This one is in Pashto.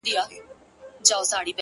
خوشحال په دې دى چي دا ستا خاوند دی!